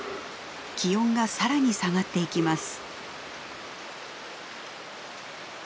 気温がさらに下がっていきます。